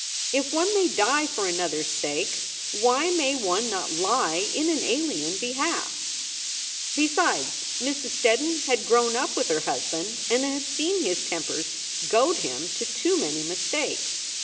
If one may die for another s sake, why may one not lie in an alien behalf? Besides, Mrs. Steddon had grown up with her husband and had seen his tempers goad him to too many mistakes.